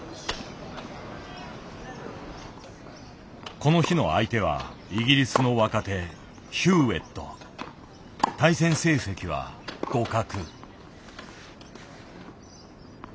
この日の相手はイギリスの若手対戦成績は互角。